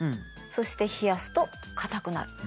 そして冷やすと硬くなる。